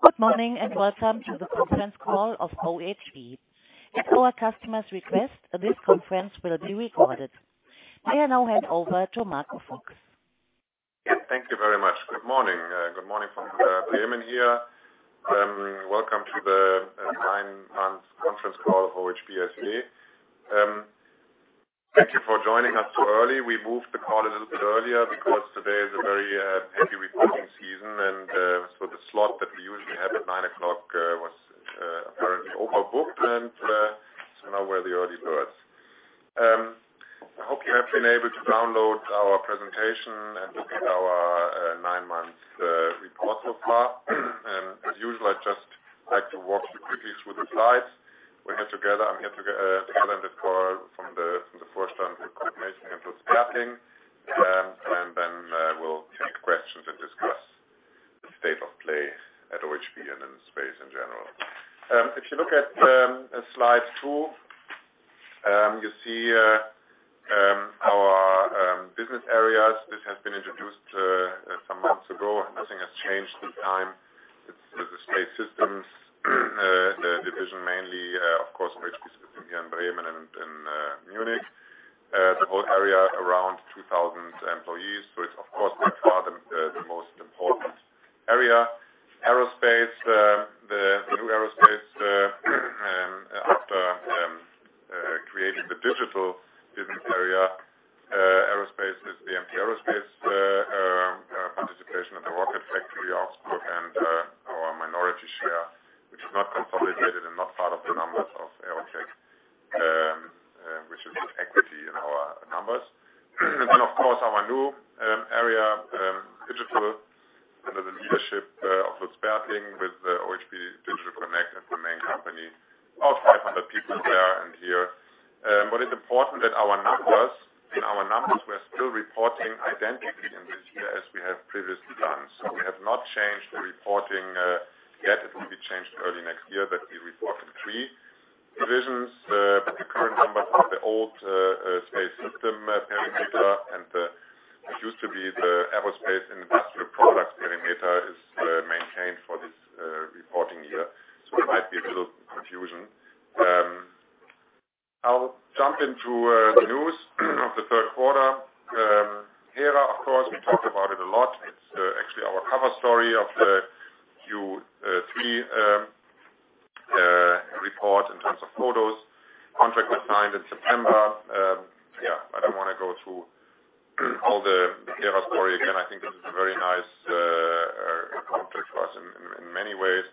Good morning, and welcome to the conference call of OHB. At our customer's request, this conference will be recorded. I now hand over to Marco Fuchs. Yeah, thank you very much. Good morning from Bremen here. Welcome to the nine months conference call of OHB SE. Thank you for joining us so early. We moved the call a little bit earlier because today is a very heavy reporting season, the slot that we usually have at 9:00 AM was apparently overbooked, now we're the early birds. I hope you have been able to download our presentation and look at our nine months report so far. As usual, I'd just like to walk you quickly through the slides we have together. I'm here together in this call from the Vorstand with Christian and Lutz Bertling. We'll take questions and discuss the state of play at OHB and in space in general. If you look at slide two, you see our business areas, which have been introduced some months ago. Nothing has changed through time. It's the Space Systems, the division mainly, of course, OHB System here in Bremen and in Munich. The whole area around 2,000 employees, so it's of course, by far the most important area. Aerospace, the new aerospace, after creating the digital business area. Aerospace is the MT Aerospace participation in the Rocket Factory Augsburg and our minority share, which is not consolidated and not part of the numbers of OHB, which is just equity in our numbers. Then, of course, our new area, Digital, under the leadership of Lutz Bertling with OHB Digital Connect as the main company. About 500 people there and here. It's important that our numbers, we're still reporting identically in this year as we have previously done. We have not changed the reporting yet. It will be changed early next year, that we report in three divisions. The current numbers are the old space system perimeter, and it used to be the aerospace and industrial products perimeter is maintained for this reporting year. It might be a little confusion. I'll jump into news of the third quarter. Hera, of course, we talked about it a lot. It's actually our cover story of the Q3 report in terms of photos. Contract was signed in September. Yeah, I don't want to go through all the Hera story again. I think this is a very nice contract for us in many ways.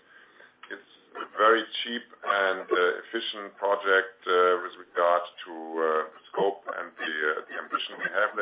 It's very cheap and efficient project with regard to the scope and the ambition we have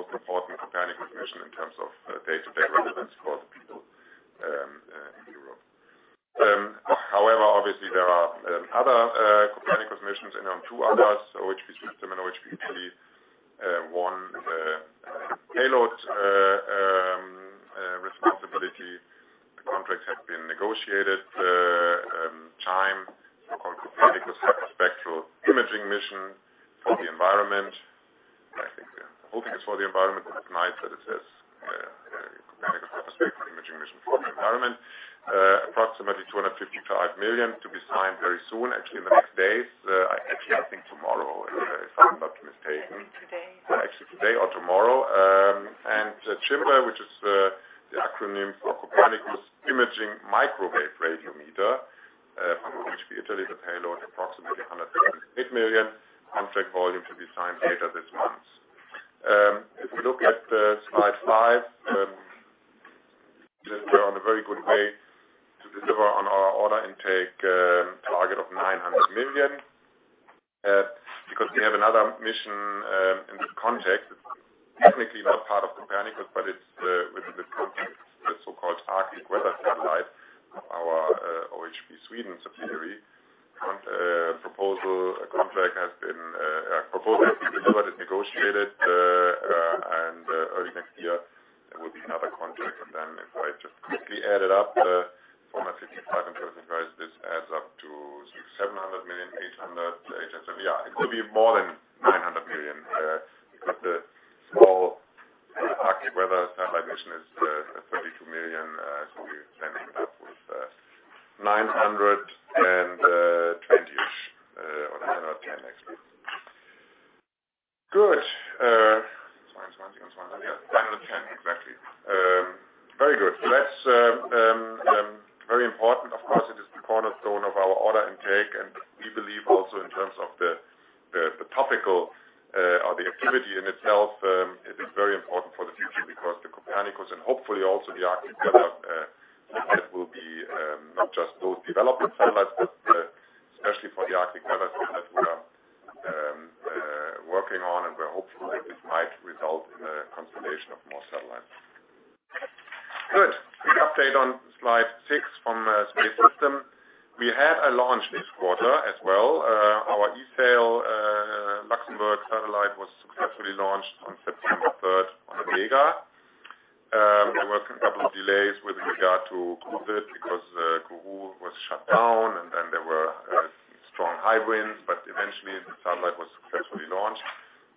additional EUR 130 million, which of course, we hope it eventually will come for a third spacecraft. That is the backbone of the European CO2 Monitoring network. My personal view is the most important Copernicus mission in terms of day-to-day relevance for the people in Europe. Obviously, there are other Copernicus missions. I know two others, million. Yeah, EUR 910 million exactly. Very good. That's very important. It is the cornerstone of our order intake, and we believe also in terms of the topical or the activity in itself, it is very important for the future because the Copernicus and hopefully also the Arctic Weather Satellite will be not just those development satellites, but especially for the Arctic Weather Satellite we are working on, and we're hopeful that this might result in a constellation of more satellites. Good. Quick update on slide six from Space Systems. We had a launch this quarter as well. Our ESAIL Luxembourg satellite was successfully launched on September 3rd on Vega. There were a couple of delays with regard to COVID, because Kourou was shut down, and then there were strong high winds. Eventually, the satellite was successfully launched.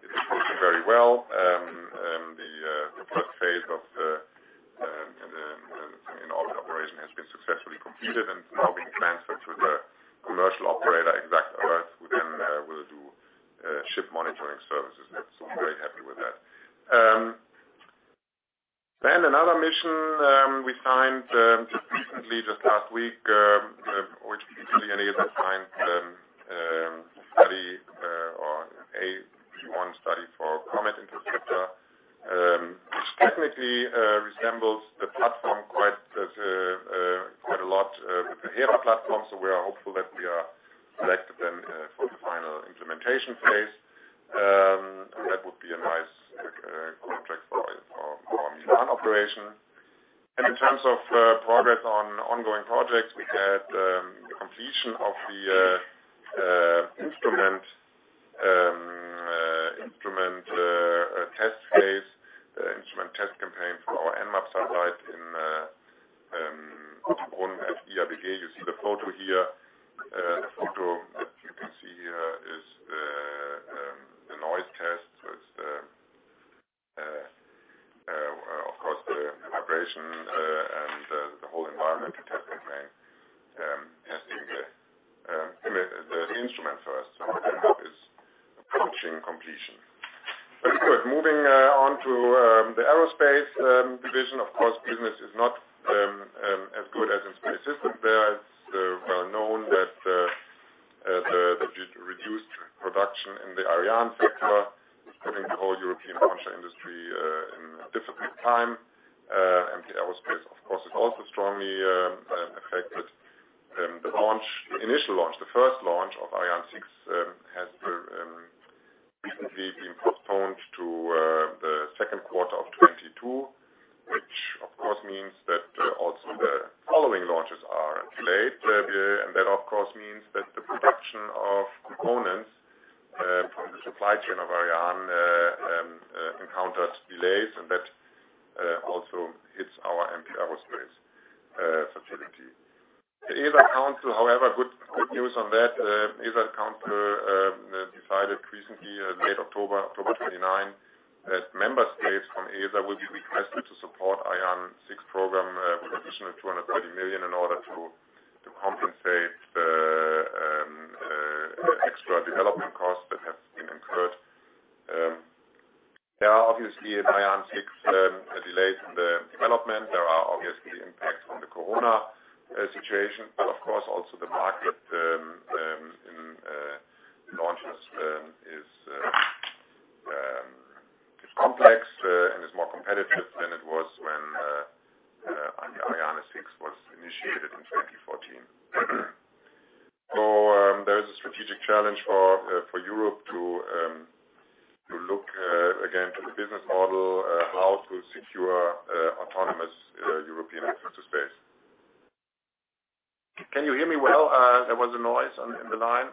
It is working very well. The first phase of the in-orbit operation has been successfully completed and is now being transferred to the commercial operator, exactEarth, who then will do ship monitoring services. I'm very happy with that. Another mission we signed just recently, just last week. OHB System AG has signed a study or a phase I study for Comet Interceptor which technically resembles the platform quite a lot with the Hera platform. We are hopeful that we are selected then for the final implementation phase. That would be a nice contract for our Milan operation. In terms of progress on ongoing projects, we had the completion of the instrument test phase, the instrument test campaign for our EnMAP satellite in Ottobrunn at IABG. You see the photo here. The photo that you can see here is the noise test. It's, of course, the vibration and the whole environmental test campaign, testing the instrument for us. EnMAP is approaching completion. Very good. Moving on to the Aerospace division. Of course, business is not as good as in Space Systems. There, it's well known that the reduced production in the Ariane sector, putting the whole European launcher industry in a difficult time. MT Aerospace, of course, is also strongly affected. The initial launch, the first launch of Ariane 6 has recently been postponed to the second quarter of 2022, which of course, means that also the following launches are delayed. That, of course, means that the production of components from the supply chain of Ariane encounters delays, and that also hits our MT Aerospace facility. The ESA Council, however, good news on that. ESA Council decided recently, late October 29, that member states from ESA will be requested to support Ariane 6 program with additional 230 million in order to compensate the extra development costs that have been incurred. There are obviously in Ariane 6, delays in the development. There are obviously impacts from the Corona situation. Of course, also the market in launches is complex and is more competitive than it was when Ariane 6 was initiated in 2014. There is a strategic challenge for Europe to look again to the business model, how to secure autonomous European access to space. Can you hear me well? There was a noise on the line.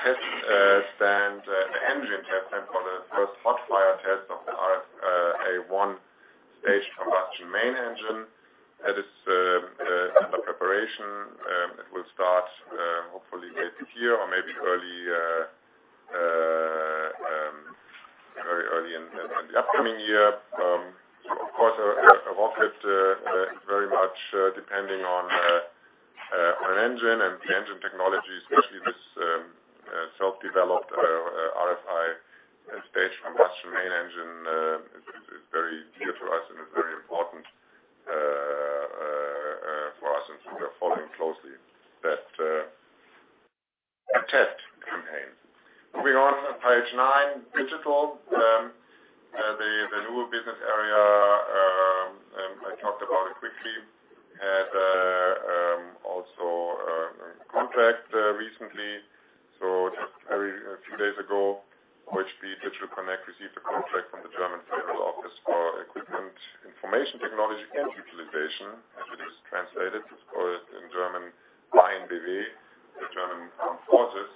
test stand, the engine test stand for the first hot fire test of our A-1 staged combustion main engine. That is under preparation. It will start hopefully later this year or maybe very early in the upcoming year. Of course, a rocket is very much depending on an engine and the engine technology, especially this self-developed RFA staged combustion main engine is very dear to us and is very important for us, and we are following closely that test campaign. Moving on to page nine, digital. The newer business area, I talked about it quickly, had also a contract recently. A few days ago, OHB Digital Connect received a contract from the German Federal Office for Equipment, Information Technology and Utilization, as it is translated, of course, in German, BWB, the German Armed Forces,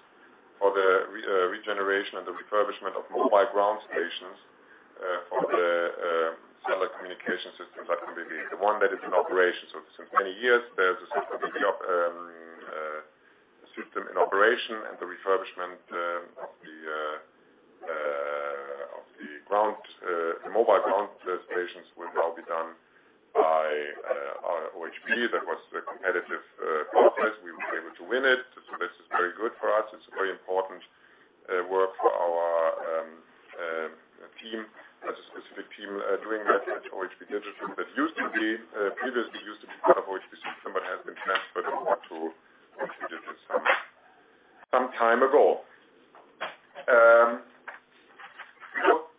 for the regeneration and the refurbishment of mobile ground stations for the cellular communication system, that can be the one that is in operation. Since many years, there's a system in operation. The refurbishment of the mobile ground stations will now be done by our OHB. That was the competitive process. We were able to win it. This is very good for us. It's very important work for our team. There's a specific team doing that at OHB Digital that previously used to be part of OHB System, but has been transferred over to OHB Digital some time ago.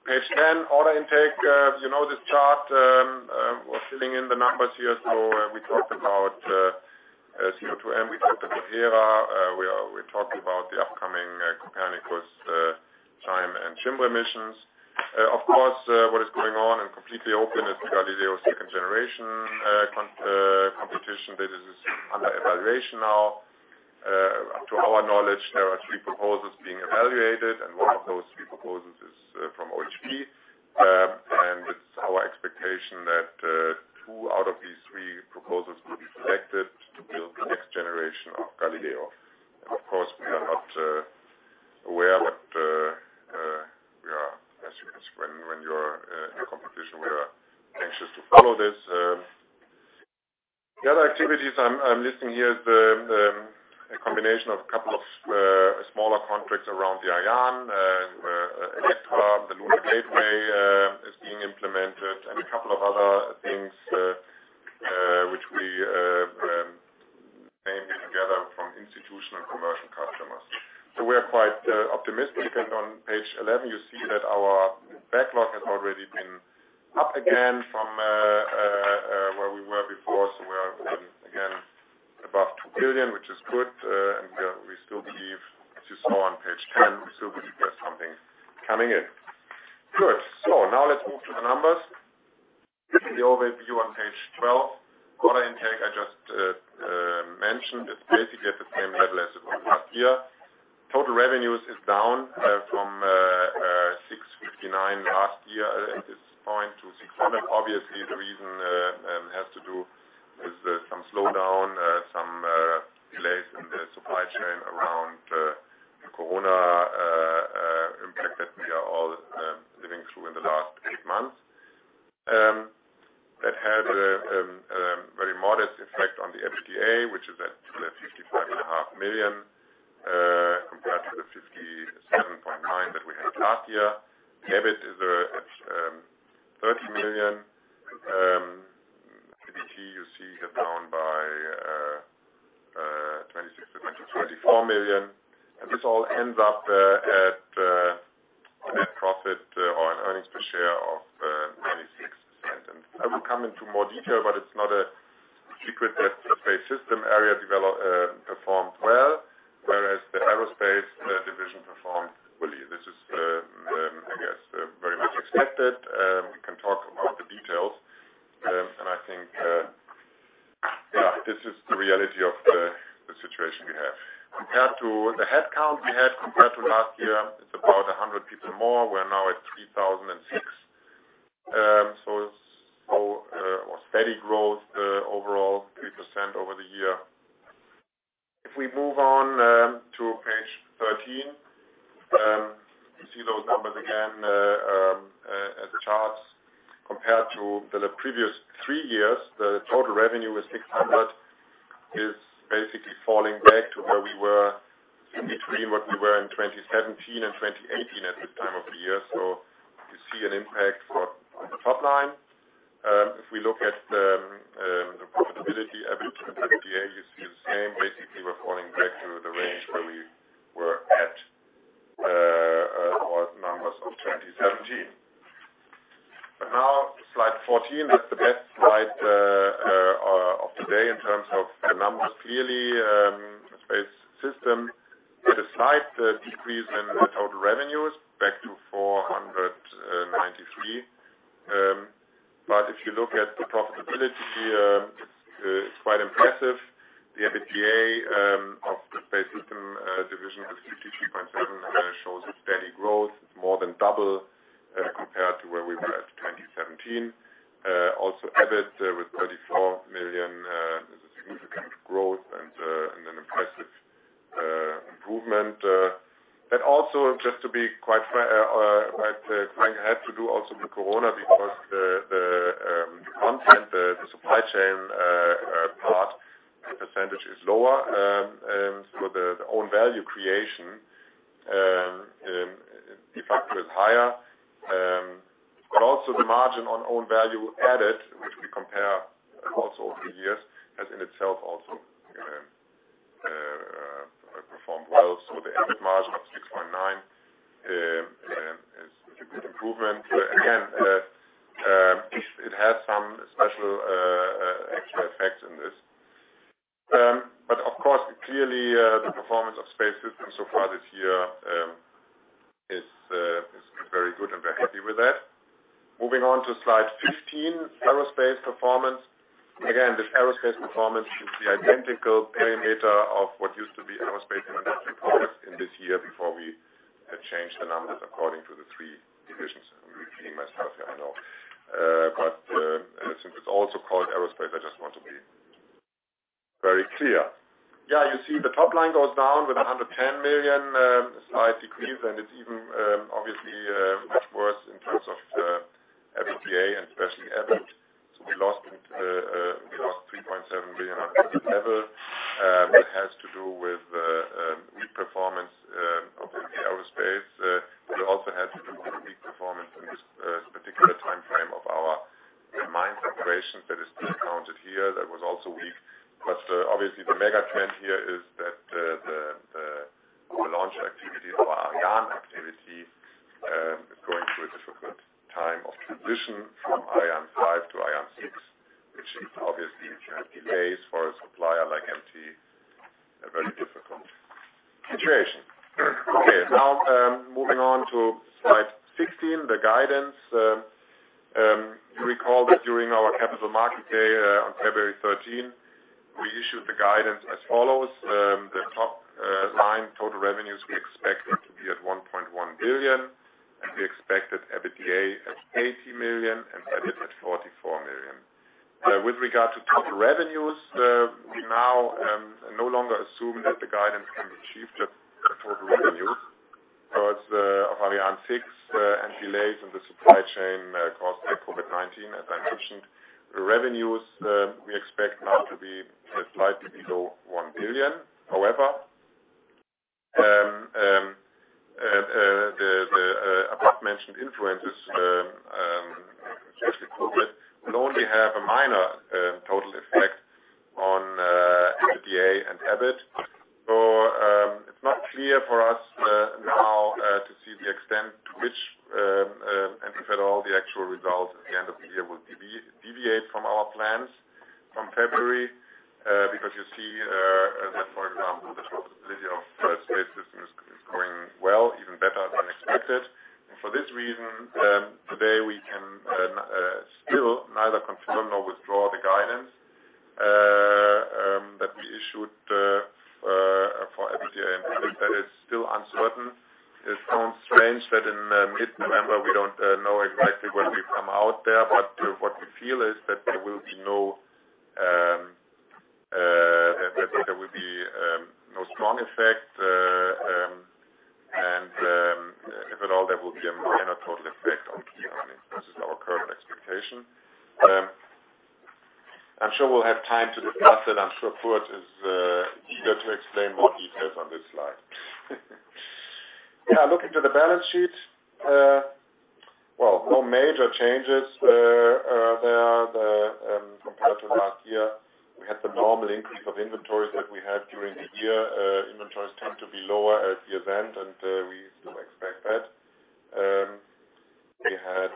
Page 10, order intake. You know this chart. We're filling in the numbers here. We talked about CO2M, we talked about Hera, we talked about the upcoming Copernicus CHIME and CIMR missions. Of course, what is going on and completely open is the Galileo second generation competition. This is under evaluation now. To our knowledge, there are three proposals being evaluated, and one of those three proposals is from OHB. It's our expectation that two out of these three proposals will be selected to build the next generation of Galileo. Of course, we are not aware, but as you can see, when you're in a competition, we are anxious to follow this. The other activities I'm listing here is a combination of a couple of smaller contracts around the Ion, Electra, the Lunar Gateway is being implemented, and a couple of other things which we named here together from institutional commercial customers. We are quite optimistic. On page 11, you see that our backlog has already been up again from where we were before. We are again above 2 billion, which is good. We still believe, as you saw on page 10, we still believe there's something coming in. Good. Now let's move to the numbers. The overview on page 12. Order intake, I just mentioned, is basically at the same level as it was last year. Total revenues is down from 659 million last year at this point to 600 million. Obviously, the reason has to do with some slowdown, some delays in the supply chain around three years, the total revenue with EUR 600 million is basically falling back to where we were in between what we were in 2017 and 2018 at this time of the year. You see an impact for the top line. If we look at the profitability, EBIT and EBITDA, you see the same. Basically, we're falling back to the range where we were at those numbers of 2017. Now, slide 14 is the best slide of today in terms of the numbers. Clearly, the space system. A slight decrease in the total revenues back to 493 million. If you look at the profitability, it's quite impressive. The EBITDA of the Space Systems division is 53.7 million and shows a steady growth. It's more than double compared to where we were at 2017. EBIT with 34 million is a significant growth and an impressive improvement. Just to be quite frank, had to do also with Corona, because the content, the supply chain part, the percentage is lower. The own value creation de facto is higher. The margin on own value added, which we compare also over the years, has in itself also performed well. The EBIT margin of 6.9% is a good improvement. Again, it has some special actual effects in this. Of course, clearly, the performance of Space Systems so far this year is very good and we're happy with that. Moving on to slide 15, aerospace performance. Again, this aerospace performance is the identical parameter of what used to be aerospace and industry products in this year before we had changed the numbers according to the three divisions. I'm repeating myself here, I know. Since it's also called aerospace, I just want to be very clear. You see the top line goes down with 110 million, a slight decrease, and it's even obviously much worse in terms of EBITDA and especially EBIT. We lost 3.7 million on EBIT level. That has to do with weak performance of MT Aerospace, but it also had to do with a weak performance in this particular time frame of our Mainz operations that is still counted here, that was also weak. Obviously, the mega trend here is that the launch activity for Ariane activity is going through a difficult time of transition from Ariane 5 to Ariane 6, which is obviously, if you have delays for a supplier like MT, a very difficult situation. Okay, now, moving on to slide 16, the guidance. You recall that during our capital market day on February 13, we issued the guidance as follows. The top line total revenues we expect to be at 1.1 billion, and we expect that EBITDA at 80 million and EBIT at 44 million. With regard to total revenues, we now no longer assume that the guidance can be achieved at total revenues towards the Ariane 6 and delays in the supply chain caused by COVID-19, as I mentioned. The revenues we expect now to be slightly below 1 billion. However, the above-mentioned influences, especially COVID, will only have a minor total effect on EBITDA and EBIT. It's not clear for us now to see the extent to which, if at all, the actual result at the end of the year will deviate from our plans from February. You see that, for example, the profitability of space systems is going well, even better than expected. For this reason, today, we can still neither confirm nor withdraw the guidance that we issued for EBITDA and EBIT. That is still uncertain. It sounds strange that in mid-November, we don't know exactly where we come out there, but what we feel is that there will be no strong effect, and if at all, there will be a minor total effect on key earnings. This is our current expectation. I'm sure we'll have time to discuss it. I'm sure Kurt is eager to explain more details on this slide. Yeah, looking to the balance sheet. Well, no major changes there compared to last year. We had the normal increase of inventories that we had during the year. Inventories tend to be lower at the event, and we still expect that. We had,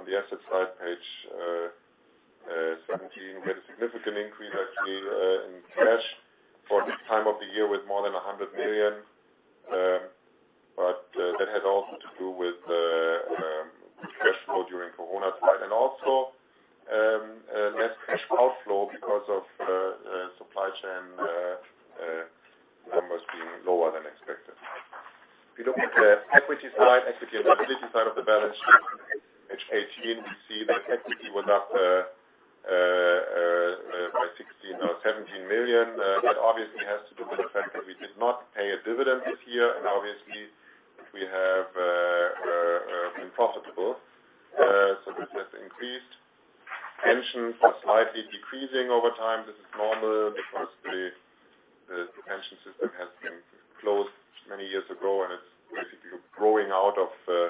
on the asset side, page 17, we had a significant increase, actually, in cash for this time of the year with more than 100 million. That had also to do with the cash flow during Corona time and also less cash outflow because of supply chain numbers being lower than expected. If you look at the equity side, equity and liability side of the balance sheet, page 18, we see that equity went up by 16 million or 17 million. That obviously has to do with the fact that we did not pay a dividend this year, and obviously, we have been profitable. This has increased. Pension are slightly decreasing over time. This is normal because the pension system has been closed many years ago, and it's basically growing out of the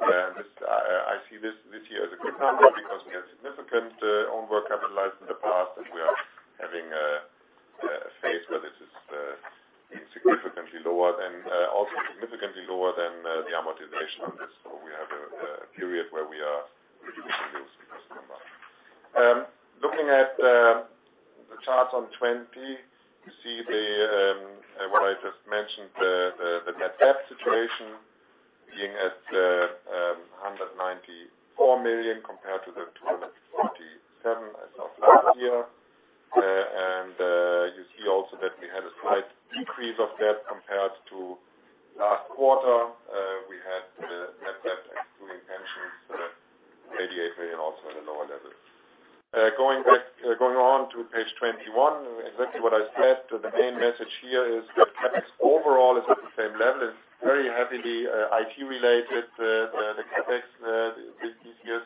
I see this year as a good number because we had significant own work capitalized in the past, and we are having a phase where this is significantly lower than the amortization of this. We have a period where we are reducing this number. Looking at the chart on 20, you see what I just mentioned, the net debt situation being at 194 million compared to 247 million as of last year. You see also that we had a slight decrease of debt compared to last quarter. We had net debt excluding pensions at EUR 88 million, also at a lower level. Going on to page 21, exactly what I said. The main message here is that CapEx overall is at the same level. It's very heavily IT related, the CapEx this year,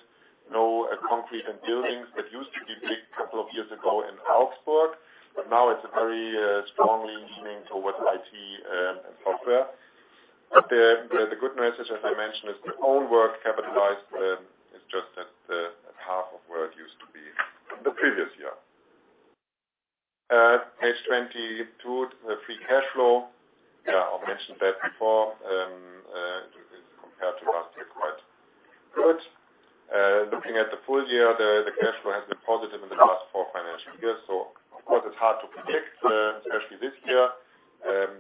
no concrete and buildings that used to be big a couple of years ago in Augsburg, but now it's very strongly leaning towards IT and software. The good message, as I mentioned, is the own work capitalized is just at half of where it used to be the previous year. Page 22, the free cash flow. Yeah, I mentioned that before, compared to last year, quite good. Looking at the full year, the cash flow has been positive in the last four financial years. Of course, it's hard to predict, especially this year,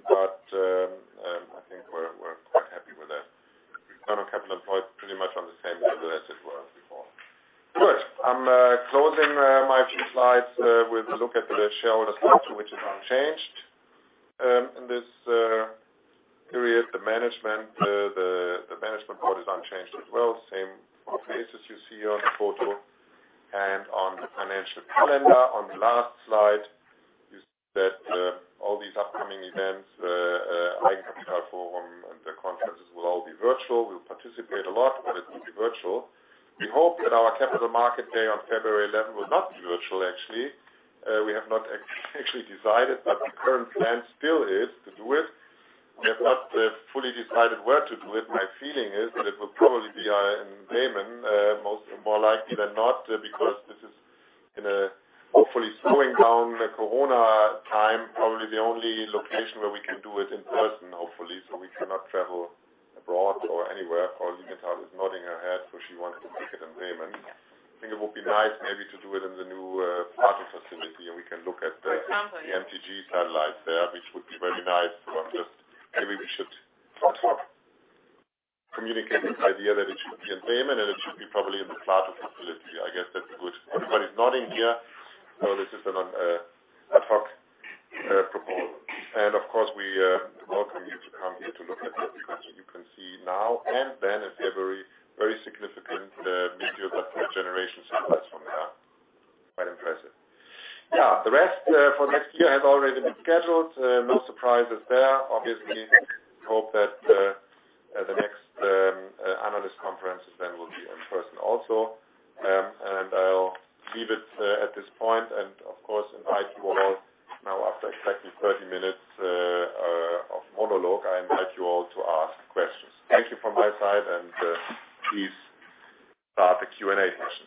but I think we're quite happy with that. Return on capital employed pretty much on the same level as it was before. Good. I'm closing my few slides with a look at the shareholder structure, which is unchanged. In this period, the management board is unchanged as well. Same four faces you see here on the photo. On the financial calendar on the last slide, you see that all these upcoming events, Eigenkapitalforum and the conferences will all be virtual. We'll participate a lot, but it will be virtual. We hope that our capital market day on February 11th will not be virtual, actually. We have not actually decided, but the current plan still is to do it. We have not fully decided where to do it. My feeling is that it will probably be in Bremen, more likely than not, because this is in a hopefully slowing down the Corona time, probably the only location where we can do it in person, hopefully. We cannot travel abroad or anywhere. Corina is nodding her head, so she wants to make it in Bremen. I think it would be nice maybe to do it in the new PLATO facility, and we can look at the MTG satellites there, which would be very nice. Maybe we should communicate this idea that it should be in Bremen, and it should be probably in the PLATO facility. I guess that's good. Everybody is nodding here, so this is an ad hoc proposal. Of course, we welcome you to come here to look at what you can see now and then a very significant meteorological generation complex from there. Quite impressive. Yeah, the rest for next year has already been scheduled. No surprises there. Obviously, hope that the next analyst conferences then will be in person also. I'll leave it at this point and, of course, invite you all now after exactly 30 minutes of monologue, I invite you all to ask questions. Thank you from my side, and please start the Q&A session.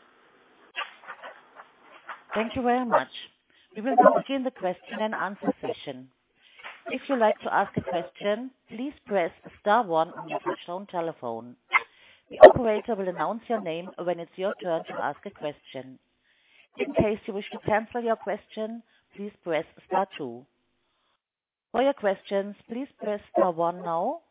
Thank you very much. We will now begin the question and answer session. If you'd like to ask a question, please press star one on your touchtone telephone. The operator will announce your name when it's your turn to ask a question. In case you wish to cancel your question, please press star two. For your questions, please press star one now.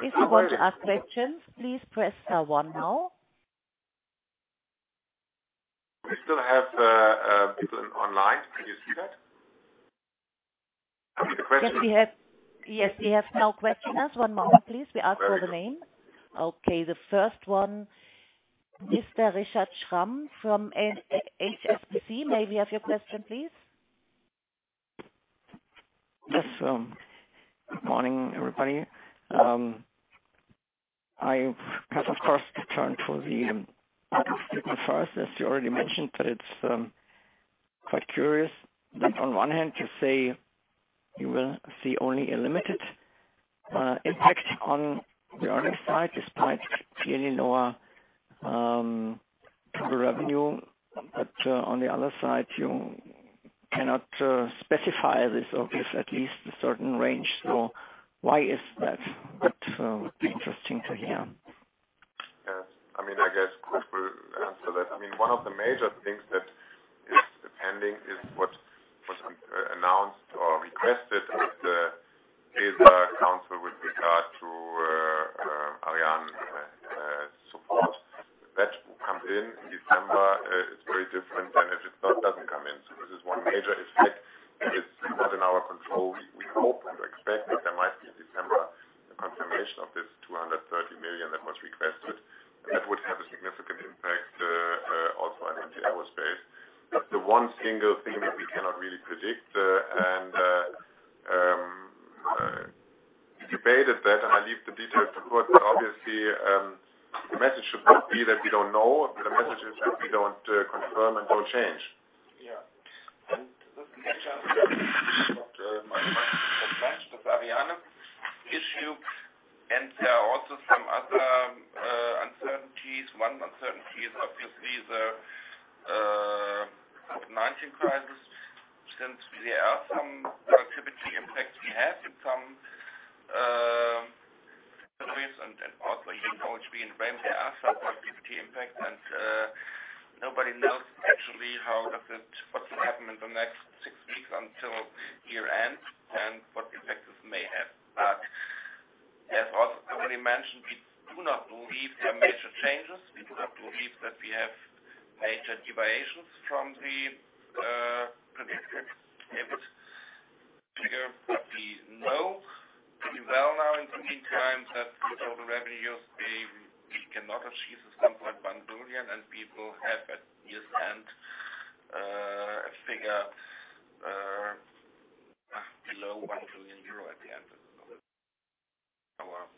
If you want to ask questions, please press star one now. We still have people online. Can you see that? Yes, we have now questioners. One moment, please. We ask for the name. Okay, the first one, Mr. Richard Schramm from HSBC. May we have your question, please? Yes. Good morning, everybody. I have, of course, returned to the as you already mentioned, but it's quite curious that on one hand, you say you will see only a limited impact on the earnings side despite clearly lower total revenue. On the other side, you cannot specify this, or at least a certain range. Why is that? That would be interesting to hear. Yes. I guess Fritz will answer that. One of the major things that is pending is what was announced or requested at the ESA Council with regard to Ariane support. That comes in December. It's very different than if it doesn't come in. This is one major effect, and it's not in our control. We hope and expect that there might be, in December, the confirmation of this EUR 230 million that was requested. That would have a significant impact, also in MT Aerospace. The one single thing that we cannot really predict, and, debated that, and I leave the details to Fritz, obviously, the message should not be that we don't know. The message is that we don't confirm and don't change. Yeah. The next item, Dr. Merkle, with Ariane issue, there are also some other uncertainties. One uncertainty is obviously the COVID-19 crisis, since there are some productivity impacts we have in some areas and also in OHB and frame, there are some productivity impact. Nobody knows actually what will happen in the next six weeks until year-end and what effects this may have. As also already mentioned, we do not believe there are major changes. We do not believe that we have major deviations from the predicted figure. We know pretty well now, in the meantime, that the total revenues, we cannot achieve this EUR 1.1 billion. We will have at year-end a figure below 1 billion at the end of the year. Our forecast. That's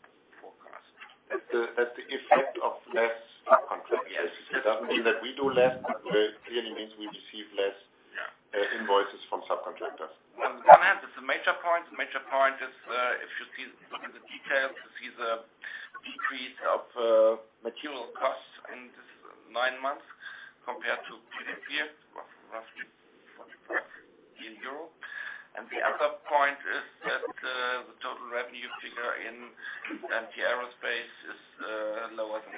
the effect of less subcontractors. Yes. It doesn't mean that we do less, but it clearly means we receive less. Yeah. Invoices from subcontractors. On one hand, it's a major point. The major point is, if you look in the details, you see the decrease of material costs in this nine months compared to Q3, roughly EUR 40 million. The other point is that the total revenue figure in MT Aerospace is lower than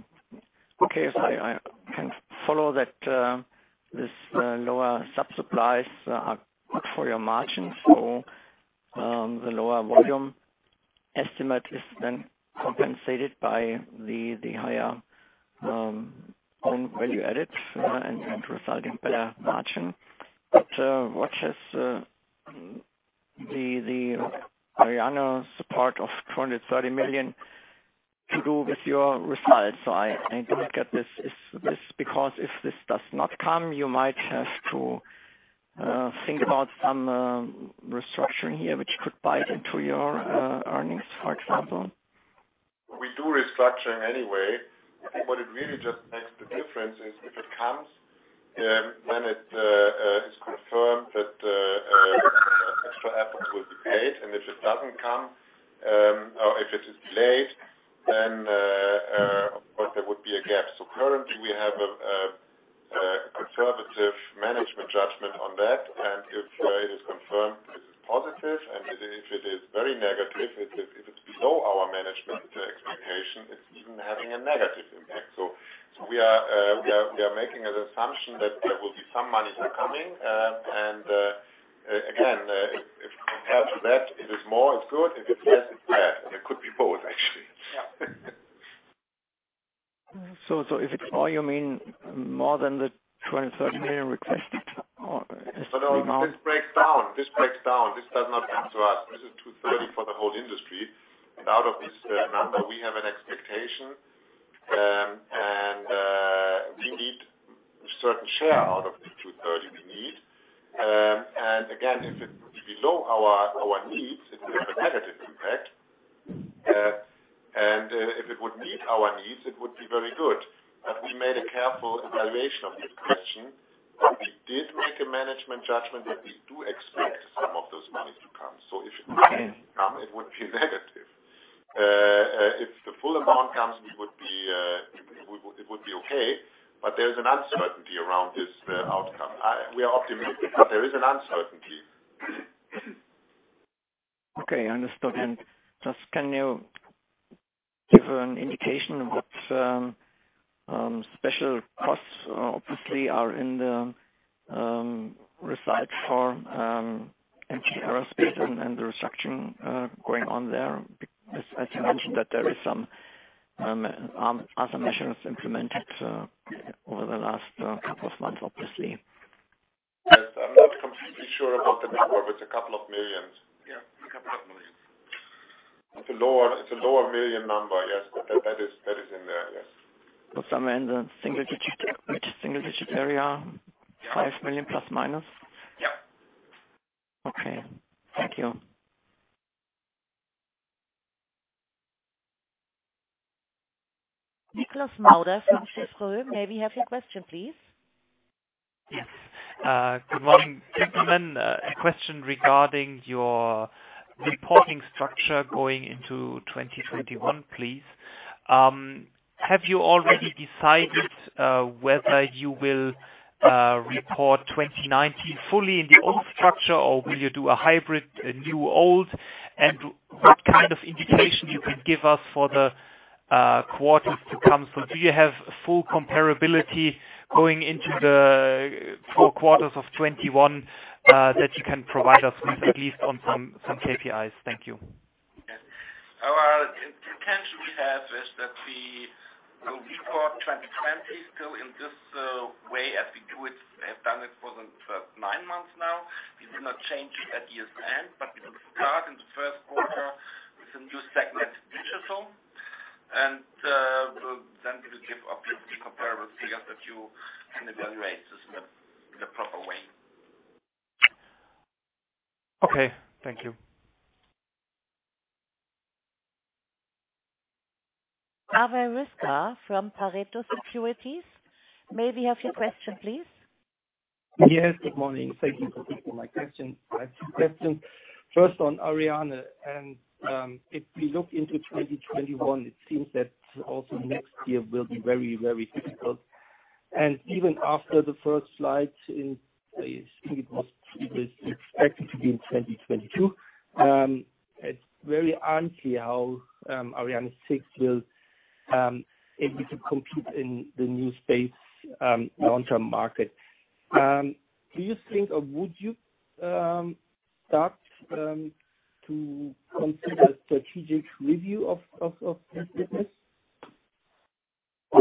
expected. Okay. I can follow that this lower sub-supplies are good for your margin. The lower volume estimate is then compensated by the higher own value add, and resulting better margin. What has the Ariane support of 230 million to do with your results? I don't get this. Is this because if this does not come, you might have to think about some restructuring here which could bite into your earnings, for example? We do restructuring anyway. What it really just makes the difference is if it comes, when it is confirmed that the extra efforts will be paid, and if it doesn't come, or if it is delayed, then, of course, there would be a gap. Currently, we have a conservative management judgment on that. If it is confirmed, it is positive, and if it is very negative, if it's below our management expectation, it's even having a negative impact. We are making an assumption that there will be some money coming. Again, if compared to that, it is more, it's good. If it's less, it's bad. It could be both, actually. Yeah. If it's more, you mean more than the 230 million requested or? No. This breaks down. This does not come to us. This is 230 million for the whole industry. Out of this number, we have an expectation, and we need a certain share out of the 230 million we need. Again, if it's below our needs, it will have a negative impact. If it would meet our needs, it would be very good. We made a careful evaluation of this question, and we did make a management judgment that we do expect some of those monies to come. If it wouldn't come, it would be negative. If the full amount comes, it would be okay, but there is an uncertainty around this outcome. We are optimistic, but there is an uncertainty. Okay, understood. Just can you give an indication of what special costs, obviously, are in the result for MT Aerospace and the restructuring going on there? As you mentioned that there is some other measures implemented over the last couple of months, obviously. Yes. I'm not completely sure about the number, but it's a couple of millions. Yeah, a couple of millions. It's a lower million number. Yes. That is in there. Yes. Somewhere in the single-digit area, EUR 5 million±? Yeah. Okay. Thank you. Niklas Mader from Jefferies. May we have your question, please? Yes. Good morning, gentlemen. A question regarding your reporting structure going into 2021, please. Have you already decided whether you will report 2019 fully in your own structure, or will you do a hybrid, a new, old, and what kind of indication you can give us for the quarters to come? Do you have full comparability going into the four quarters of 2021 that you can provide us with, at least on some KPIs? Thank you. Yes. Our intention we have is that we will report 2020 still in this way as we have done it for the first nine months now. This will not change at year's end, we will start in the first quarter with a new segment, Digital. We will give obviously comparable figures that you can evaluate this in a proper way. Okay. Thank you. Aweys Wiska from Pareto Securities. May we have your question, please? Yes, good morning. Thank you for taking my question. I have two questions. First, on Ariane. If we look into 2021, it seems that also next year will be very difficult. Even after the first slide, I think it was expected to be in 2022. It's very unclear how Ariane 6 will be able to compete in the new space long-term market. Do you think, or would you start to consider strategic review of this business? I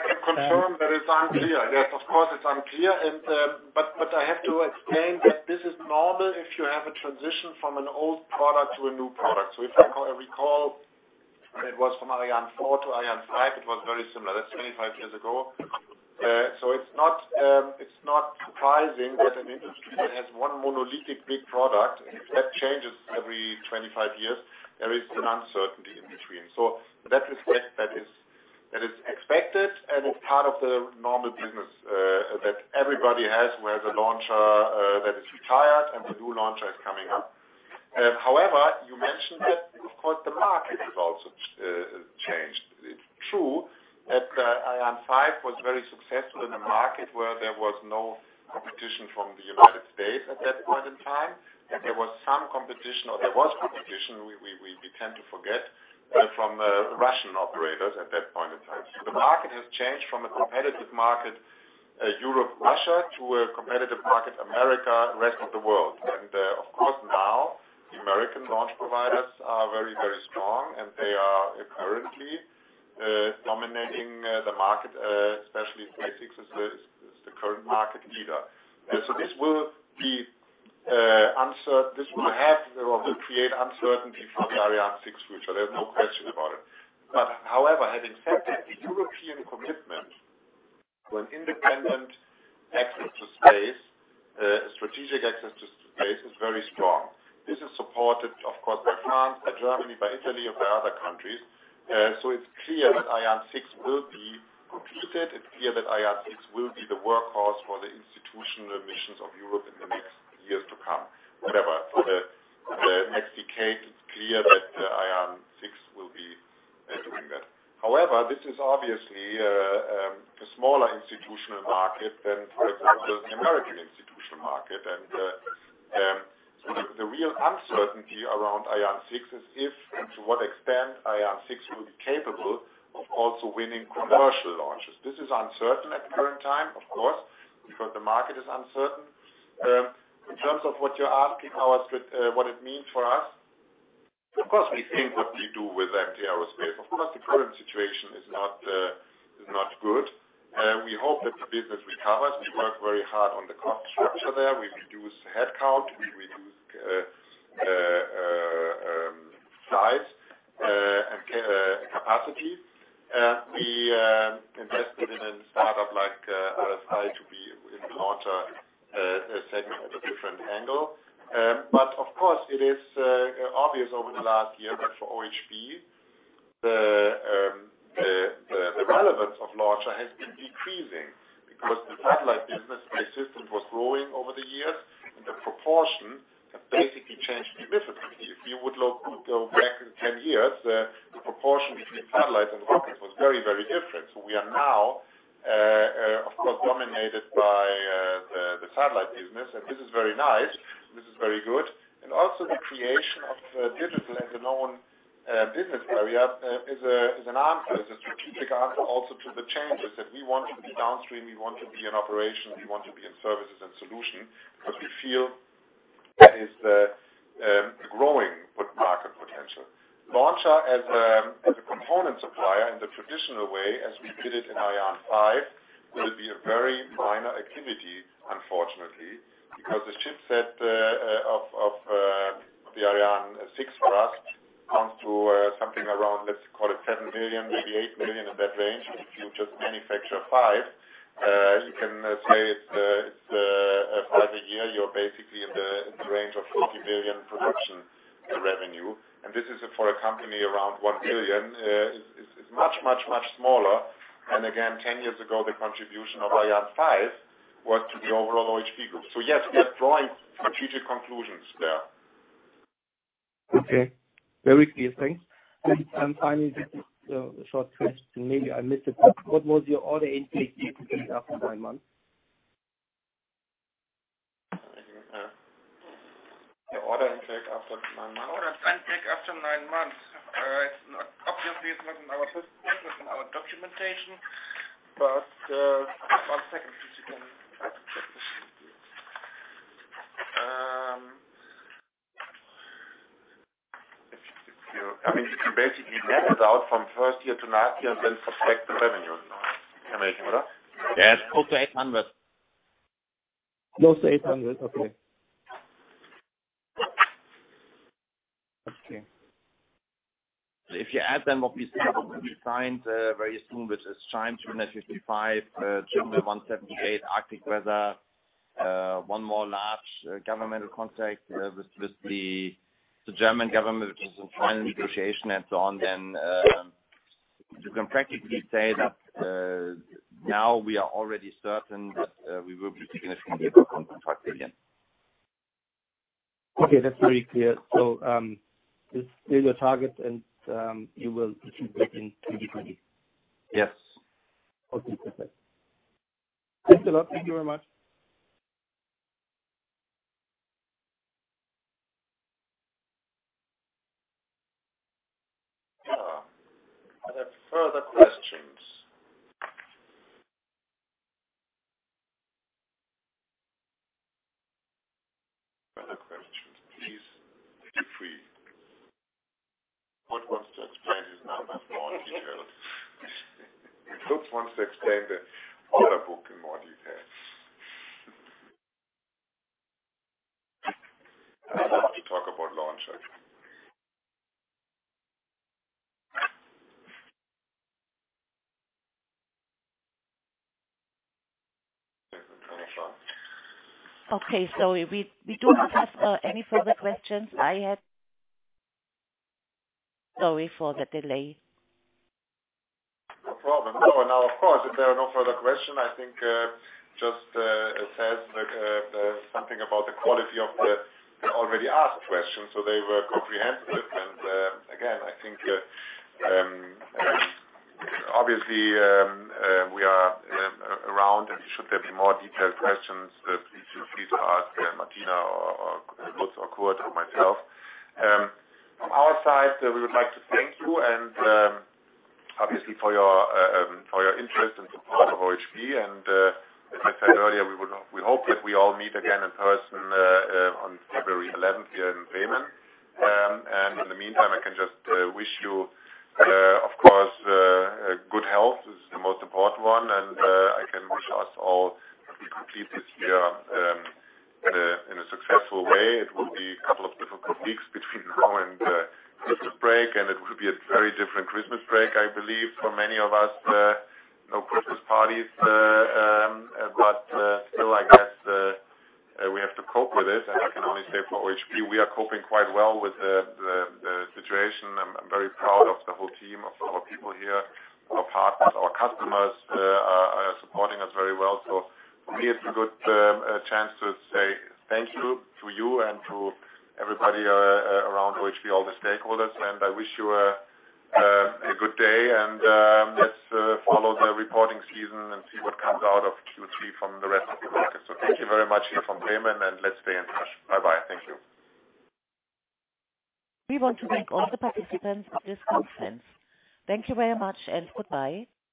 can confirm that it's unclear. Yes, of course, it's unclear. I have to explain that this is normal if you have a transition from an old product to a new product. If I recall, it was from Ariane 4 to Ariane 5, it was very similar. That's 25 years ago. It's not surprising that an industry that has one monolithic big product, and if that changes every 25 years, there is an uncertainty in between. That is expected and is part of the normal business that everybody has where the launcher that is retired and the new launcher is coming up. However, you mentioned that, of course, the market has also changed. It's true that Ariane 5 was very successful in a market where there was no competition from the United States at that point in time. There was some competition, or there was competition, we tend to forget, from Russian operators at that point in time. The market has changed from a competitive market, Europe-Russia, to a competitive market, America, rest of the world. Of course, now the American launch providers are very strong, and they are currently dominating the market, especially SpaceX is the current market leader. This will create uncertainty for the Ariane 6 future. There's no question about it. However, having said that, the European commitment to an independent access to space, strategic access to space is very strong. This is supported, of course, by France, by Germany, by Italy, and by other countries. It's clear that Ariane 6 will be completed. It's clear that Ariane 6 will be the workhorse for the institutional missions of Europe in the next years to come. Whatever. For the next decade, it's clear that Ariane 6 will be doing that. However, this is obviously a smaller institutional market than the American institutional market. The real uncertainty around Ariane 6 is if and to what extent Ariane 6 will be capable of also winning commercial launches. This is uncertain at the current time, of course, because the market is uncertain. In terms of what you're asking us, what it means for us, of course, we think what we do with MT Aerospace. Of course, the current situation is not good. We hope that the business recovers. We work very hard on the cost structure there. We reduce headcount, we reduce size and capacity. We invested in a startup like RFA to be in the launcher segment at a different angle. Of course, it is obvious over the last year that for OHB, the relevance of launcher has been decreasing because the satellite business by system was growing over the years, and the proportion has basically changed significantly. If you would go back 10 years, the proportion between satellites and rockets was very different. We are now, of course, dominated by the satellite business, and this is very nice. This is very good. Also the creation of Digital as a known business area is a strategic answer also to the changes that we want to be downstream, we want to be in operation, we want to be in services and solution because we feel is the growing market potential. Launcher as a component supplier in the traditional way, as we did it in Ariane 5, will be a very minor activity, unfortunately. The chipset of the Ariane 6 for us comes to something around, let's call it 7 million, maybe 8 million in that range. If you just manufacture five, you can say it's five a year. You're basically in the range of 40 million production revenue. This is for a company around 1 billion. It's much smaller. Again, 10 years ago, the contribution of Ariane 5 was to the overall OHB group. Yes, we are drawing strategic conclusions there. Okay. Very clear. Thanks. Finally, just a short question, maybe I missed it, but what was your order intake year to date after nine months? Your order intake after nine months? Order intake after nine months. Obviously, it's not in our presentation, it's in our documentation. One second, please. You can check. I mean, you can basically net it out from first year to last year and then suspect the revenue. You can make it, right? Yes, close to 800 million. Close to 800 million. Okay. If you add then what we signed very soon, which is CHIME 255 million, [Jupiter] 178 million, Arctic Weather, one more large governmental contract with the German government, which is in final negotiation and so on, then you can practically say that now we are already certain that we will be significantly above EUR 100 million again. Okay, that is very clear. It is still your target, and you will achieve that in 2020? Yes. Okay, perfect. Thanks a lot. Thank you very much. Are there further questions? Further questions, please feel free. Who wants to explain this now in more details? Who wants to explain the order book in more details? Do you want to talk about launcher? Okay. Sorry, we do not have any further questions. Sorry for the delay. No problem. Of course, if there are no further questions, I think it just says something about the quality of the already asked questions. They were comprehensive. Again, I think, obviously, we are around, and should there be more detailed questions, please feel free to ask Martina or Lutz or Kurt or myself. From our side, we would like to thank you, obviously, for your interest and support of OHB. As I said earlier, we hope that we all meet again in person on February 11th here in Bremen. In the meantime, I can just wish you, of course, good health. This is the most important one, and I can wish us all, if we complete this year in a successful way. It will be a couple of difficult weeks between now and Christmas break. It will be a very different Christmas break, I believe, for many of us. No Christmas parties. Still, I guess, we have to cope with it. I can only say for OHB, we are coping quite well with the situation. I'm very proud of the whole team, of our people here, our partners, our customers are supporting us very well. For me, it's a good chance to say thank you to you and to everybody around OHB, all the stakeholders. I wish you a good day, and let's follow the reporting season and see what comes out of Q3 from the rest of the market. Thank you very much here from Bremen. Let's stay in touch. Bye-bye. Thank you. We want to thank all the participants of this conference. Thank you very much and goodbye.